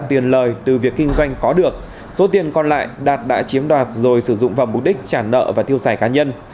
từ việc kinh doanh có được số tiền còn lại đạt đã chiếm đoạt rồi sử dụng vào mục đích trả nợ và thiêu xài cá nhân